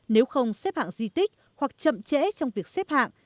nếu không xếp hạng di tích hoặc chậm trễ trong việc xếp hạng